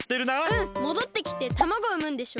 うんもどってきて卵をうむんでしょ。